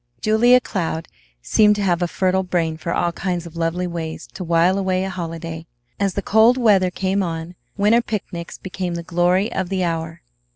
Julia Cloud seemed to have a fertile brain for all kinds of lovely ways to while away a holiday. As the cold weather came on, winter picnics became the glory of the hour.